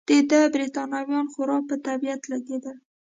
د ده بریتانویان خورا په طبیعت لګېدل.